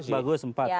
empat bagus empat